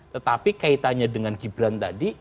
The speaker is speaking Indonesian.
tetapi kaitannya dengan gibran tadi